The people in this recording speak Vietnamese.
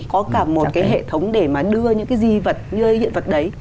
có cả một cái hệ thống để mà đưa những cái di vật như hiện vật đấy